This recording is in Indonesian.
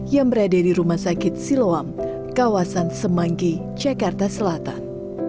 yang berada di rumah sakit siloam kawasan semanggi jakarta selatan